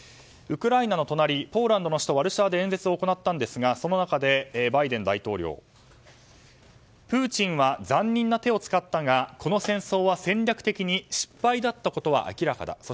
ウクライナの隣ポーランドの首都ワルシャワで演説を行ったんですがその中でバイデン大統領プーチンは残忍な手を使ったがこの戦争は戦略的に失敗だったことは明らかだ。